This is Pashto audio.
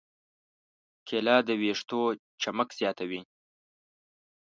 کېله د ویښتو چمک زیاتوي.